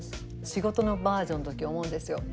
仕事のバージョンの時思うんですよ。